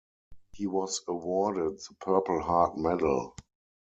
He was awarded the Purple Heart Medal.